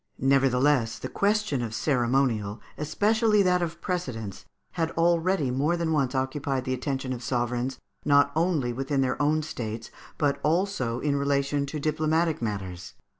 ] Nevertheless the question of ceremonial, and especially that of precedence, had already more than once occupied the attention of sovereigns, not only within their own states, but also in relation to diplomatic matters.